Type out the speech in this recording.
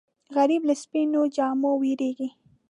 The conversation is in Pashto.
غریب له سپینو جامو وېرېږي